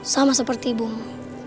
sama seperti ibumu